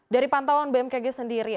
dari pantauan bmkg sendiri